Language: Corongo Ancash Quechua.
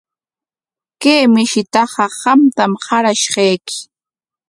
Kay mishitaqa qamtam qarashqayki.